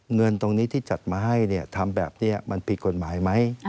เงินตรงนี้ที่จัดมาให้ทำแบบนี้มันผิดกฎหมายไหม